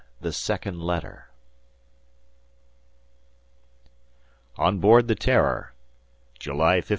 THE SECOND LETTER On Board the Terror July 15.